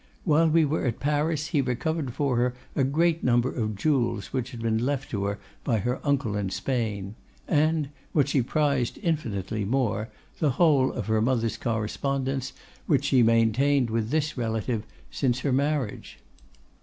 While we were at Paris he recovered for her a great number of jewels which had been left to her by her uncle in Spain; and, what she prized infinitely more, the whole of her mother's correspondence which she maintained with this relative since her marriage.